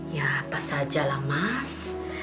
ya apa saja lah mas